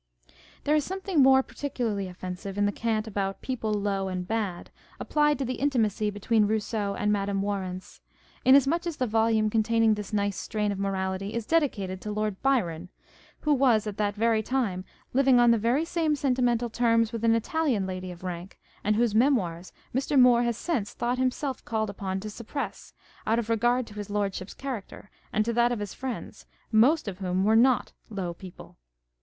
There is something more particularly offensive in the cant about " people low and bad " applied to the intimacy between liousseau and Madame Warens, inasmuch as the volume containing this nice strain of morality is dedicated to Lord Byron, who was at that very time living on the very same sentimental terms with an Italian lady of rank, and whose Memoirs Mr. Moore has since thought himself called upon to suppress, out of regard to his Lordship's character and to that of his friends, most of whom were not "low people."